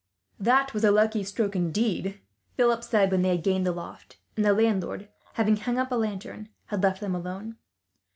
"That was a lucky stroke, indeed," Philip said, when they had gained the loft; and the landlord, having hung up a lantern, had left them alone.